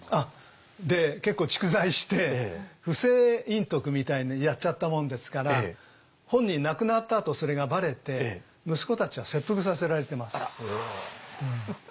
で結構蓄財して不正隠匿みたいにやっちゃったもんですから本人亡くなったあとそれがばれて息子たちは切腹させられてます。